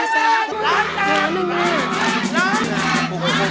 ถ้าอยู่ด้านนี้เลยค่ะ